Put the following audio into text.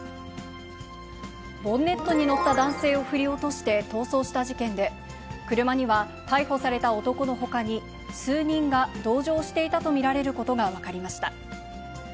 ボンネットに乗った男性を振り落として逃走した事件で、車には、逮捕された男のほかに、数人が同乗していたと見られることが分かりました。